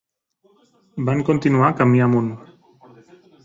Van continuar camí amunt.